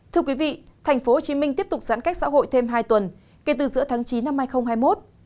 thưa quý vị tp hcm tiếp tục giãn cách xã hội thêm hai tuần kể từ giữa tháng chín năm hai nghìn hai mươi một